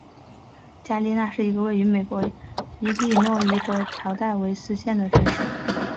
加利纳是一个位于美国伊利诺伊州乔戴维斯县的城市。